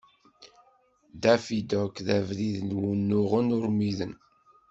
Daffy Duck d abṛik n wunuɣen urmiden.